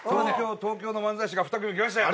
東京の漫才師が２組来ましたよ。